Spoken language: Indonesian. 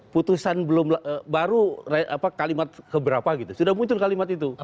putusan belum baru kalimat keberapa gitu sudah muncul kalimat itu